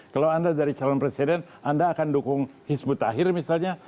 kalau anda dari calon presiden anda akan dukung hizbut tahir misalnya